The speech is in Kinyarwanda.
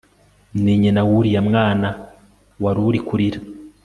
ni nyina wuriya mwana waruei kurira